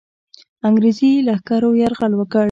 انګرېزي لښکرو یرغل وکړ.